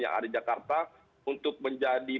yang ada di jakarta untuk menjadi